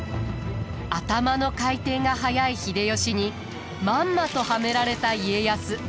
頭の回転が速い秀吉にまんまとはめられた家康。